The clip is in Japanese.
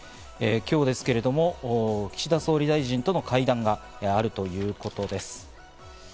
今日ですけれども、岸田総理大臣との会談があるということです。